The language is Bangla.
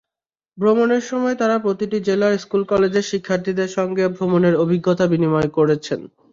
ভ্রমণের সময় তাঁরা প্রতিটি জেলার স্কুল-কলেজের শিক্ষার্থীদের সঙ্গে ভ্রমণের অভিজ্ঞতা বিনিময় করছেন।